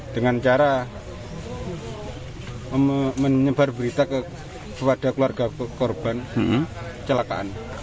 dengan cara menyebar berita kepada keluarga korban kecelakaan